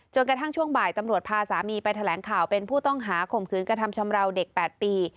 กระทั่งช่วงบ่ายตำรวจพาสามีไปแถลงข่าวเป็นผู้ต้องหาข่มขืนกระทำชำราวเด็ก๘ปี